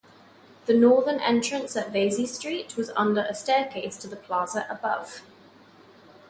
The northern entrance at Vesey Street was under a staircase to the plaza above.